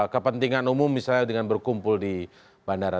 kepentingan umum misalnya dengan berkumpul di bandara